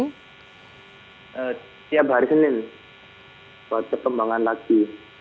setiap hari senin buat perkembangan lagi